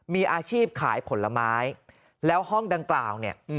มีอาชีพขายผลไม้แล้วห้องดังกล่าวเนี่ย